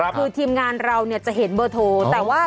คือทีมงานเราจะเห็นเบอร์โทรแต่ว่า